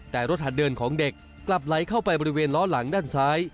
แต่รถหัดเดินของเด็กกลับไหลเข้าไปบริเวณล้อหลังด้านซ้าย